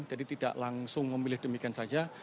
jadi tidak langsung memilih demikian saja